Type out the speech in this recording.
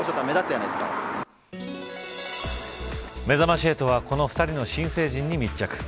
めざまし８はこの２人の新成人に密着。